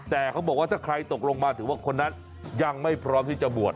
แต่เขาบอกว่าถ้าใครตกลงมาถือว่าคนนั้นยังไม่พร้อมที่จะบวช